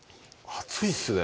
熱いですね